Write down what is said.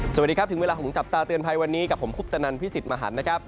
สวัสดีครับถึงเวลาของจับตาเตือนภัยวันนี้กับผมคุปตนันพิสิทธิ์มหันนะครับ